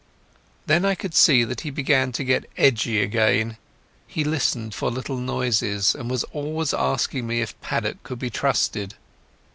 Then I could see that he began to get edgy again. He listened for little noises, and was always asking me if Paddock could be trusted.